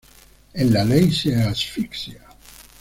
En la ley se asfixia.